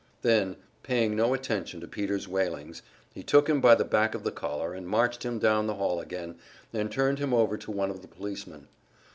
Then, paying no attention to Peter's wailings, he took him by the back of the collar and marched him down the hall again, and turned him over to one of the policemen.